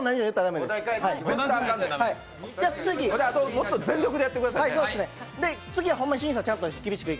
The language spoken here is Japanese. もっと全力でやってくださいね。